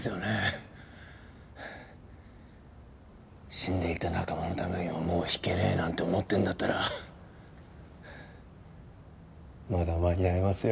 死んでいった仲間のためにももう引けねぇなんて思ってんだったらまだ間に合いますよ。